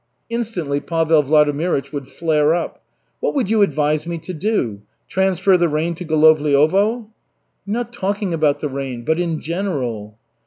Instantly Pavel Vladimirych would flare up. "What would you advise me to do? Transfer the rain to Golovliovo?" "I'm not talking about the rain, but in general."